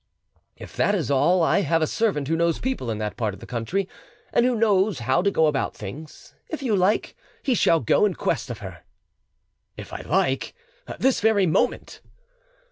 "If that is all, I have a servant who knows people in that part of the country, and who knows how to go about things: if you like, he shall go in quest of her." "If I like? This very moment."